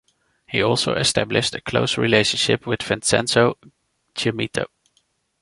He also established a close relationship with Vincenzo Gemito.